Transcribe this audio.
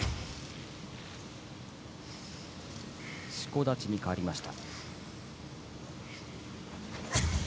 しこ立ちに変わりました。